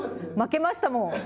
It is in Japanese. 負けましたもん。